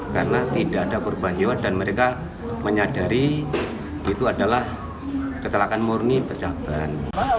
karena tidak ada korban jiwa dan mereka menyadari itu adalah kecelakaan murni pecah ban